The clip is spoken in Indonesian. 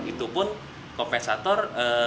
itu pun kompensator